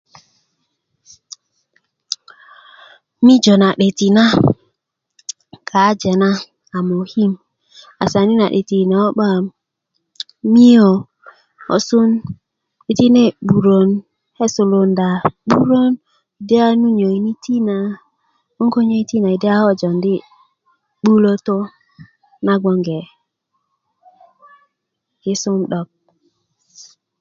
mijö na 'deti na kaaje na a mokim asan yi na 'deti yi na ko 'ba miyo ko sulun 'deti na ke 'burön ke sulunda 'burön de a nu nyoini ti na yi de a ko jondi 'bulötö na bgenge kisum 'dok